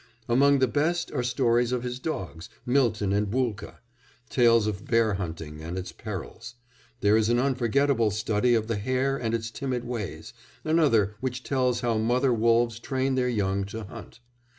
Among the best are stories of his dogs, Milton and Bulka; tales of bear hunting and its perils; there is an unforgettable study of the hare and its timid ways, another which tells how mother wolves train their young to hunt.